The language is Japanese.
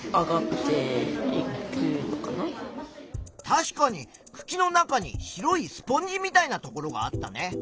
確かにくきの中に白いスポンジみたいなところがあったね。